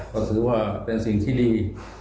ก็ถือว่าเป็นสิ่งที่ดี